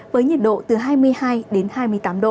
với nhiệt độ từ hai mươi hai đến hai mươi tám độ